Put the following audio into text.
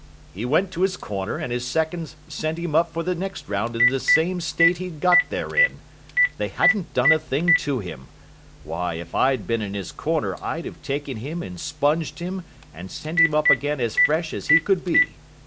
He went to his corner and his seconds sent him up for the next round in the same state he'd got there in. They hadn't done a thing to him. Why, if I'd been in his corner I'd have taken him and sponged him and sent him up again as fresh as he could be.